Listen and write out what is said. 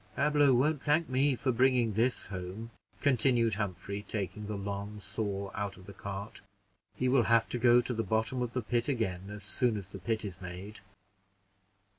Pablo won't thank me for bringing this home," continued Humphrey, taking the long saw out of the cart; "he will have to go to the bottom of the pit again, as soon as the pit is made."